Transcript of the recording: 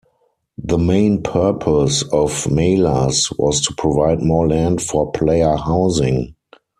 The main purpose of Malas was to provide more land for player housing.